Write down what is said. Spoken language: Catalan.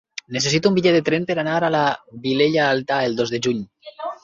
Necessito un bitllet de tren per anar a la Vilella Alta el dos de juny.